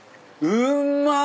うんまっ！